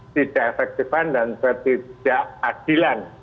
tidak efektifan dan tidak adilan